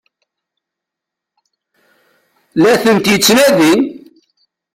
La tent-yettnadi?